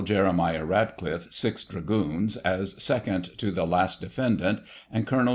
Jeremiah Ratcliffe, 6th Dragoons, as second to the last defendant, and Col.